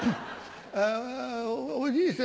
おじいさん